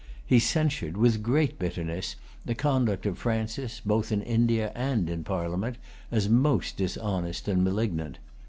He censured, with great bitterness, the conduct of Francis, both in India and in Parliament, as most dishonest and malignant.